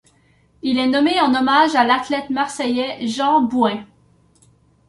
Il est nommé en hommage à l'athlète marseillais Jean Bouin.